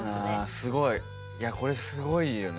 すごい。いや、これ、すごいよね。